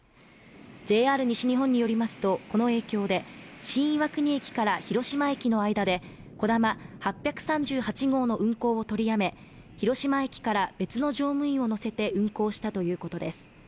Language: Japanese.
ＪＲ西日本によりますとこの影響で新岩国駅から広島駅の間でこだま８３８号の運行を取りやめ広島駅から別の乗務員を乗せて運行したということです